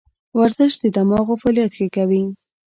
ورزش د دماغو فعالیت ښه کوي.